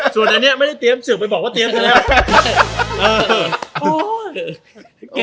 ส่วนอันเนี้ยไม่ได้เตรียมเสือกไปบอกว่าเตรียมเสร็จแล้ว